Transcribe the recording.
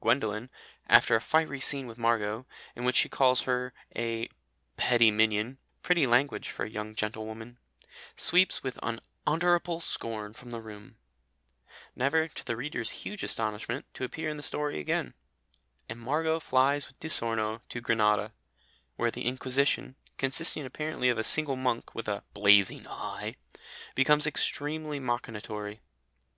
Gwendolen, after a fiery scene with Margot, in which she calls her a "petty minion," pretty language for a young gentlewoman, "sweeps with unutterable scorn from the room," never, to the reader's huge astonishment, to appear in the story again, and Margot flies with Di Sorno to Grenada, where the Inquisition, consisting apparently of a single monk with a "blazing eye," becomes extremely machinatory.